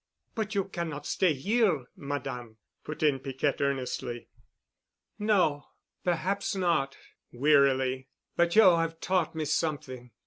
"But you cannot stay here, Madame," put in Piquette earnestly. "No, perhaps not," wearily, "but you have taught me something.